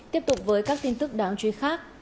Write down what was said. tiếp tục với các tin tức đáng chú ý khác